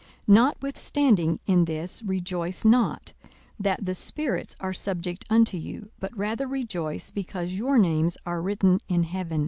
42:010:020 Notwithstanding in this rejoice not, that the spirits are subject unto you; but rather rejoice, because your names are written in heaven.